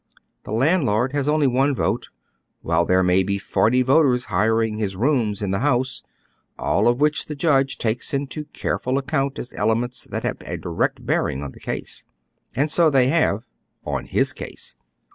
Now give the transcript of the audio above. The landlord has only one vote, while there may be forty voters iiiring his rooms in the liousej all of which the judge takes into careful account as elements tliat have a direct bearing on the case. And so they have — on his case.